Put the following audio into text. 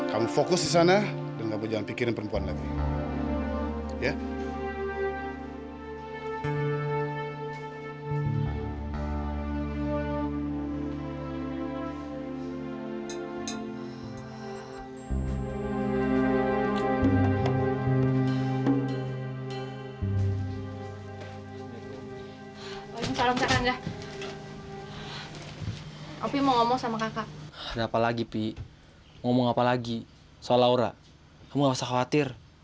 kamu nggak usah khawatir